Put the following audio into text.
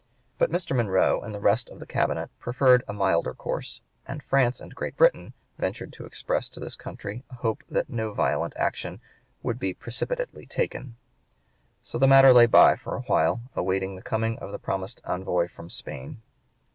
But Mr. Monroe and the rest of the Cabinet preferred a milder course; and France and Great Britain ventured to express to this country a hope that no violent action would be precipitately taken. So the matter lay by for a while, awaiting the coming of the promised envoy from Spain.